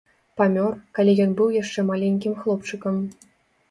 Памёр, калі ён быў яшчэ маленькім хлопчыкам.